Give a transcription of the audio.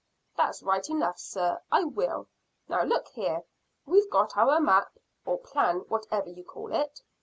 "That's right enough, sir; I will. Now, look here; we've got our map, or plan, or whatever you call it."